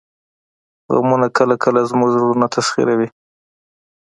غمونه کله کله زموږ زړونه تسخیروي